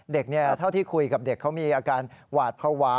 เท่าที่คุยกับเด็กเขามีอาการหวาดภาวะ